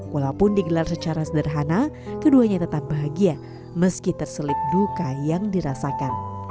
walaupun digelar secara sederhana keduanya tetap bahagia meski terselip duka yang dirasakan